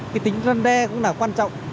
cái tính răn đe cũng là quan trọng